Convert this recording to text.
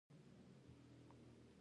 د پښتنو په کلتور کې د کیسو ویل هنر دی.